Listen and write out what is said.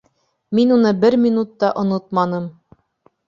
— Мин уны бер минут та онотманым.